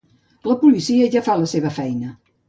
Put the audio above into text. La policia ja fa la seva feina.